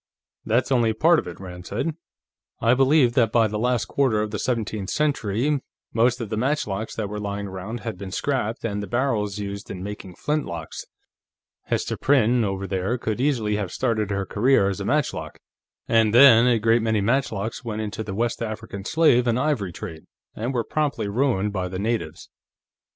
"That's only part of it," Rand said. "I believe that by the last quarter of the seventeenth century, most of the matchlocks that were lying around had been scrapped, and the barrels used in making flintlocks. Hester Prynne, over there, could easily have started her career as a matchlock. And then, a great many matchlocks went into the West African slave and ivory trade, and were promptly ruined by the natives."